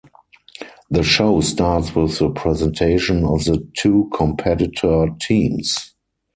The show starts with the presentation of the two competitor teams.